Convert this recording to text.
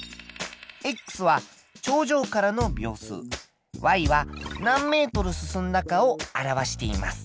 は頂上からの秒数。は何ｍ進んだかを表しています。